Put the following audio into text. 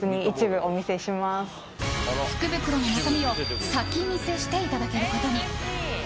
福袋の中身を先見せしていただけることに。